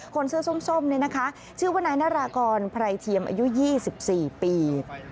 คนเสื้อส้มชื่อวนายนรากรไพรเทียมอายุ๒๔ปี